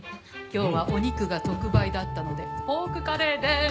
今日はお肉が特売だったのでポークカレーです。